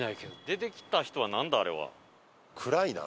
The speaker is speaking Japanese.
出てきた人はなんだ？あれは。